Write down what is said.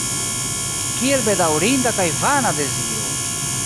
Kiel bedaŭrinda kaj vana deziro!